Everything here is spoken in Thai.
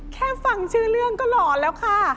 แค่ฟังชื่อเรื่องก็หล่อแล้วค่ะ